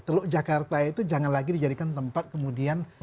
teluk jakarta itu jangan lagi dijadikan tempat kemudian